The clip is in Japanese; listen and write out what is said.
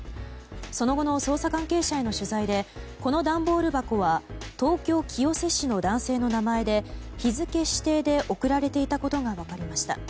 その後の捜査関係者への取材でこの段ボール箱は東京・清瀬市の男性の名前で日付指定で送られていたことが分かりました。